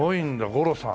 五路さん。